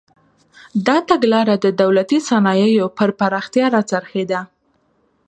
دا تګلاره د دولتي صنایعو پر پراختیا راڅرخېده.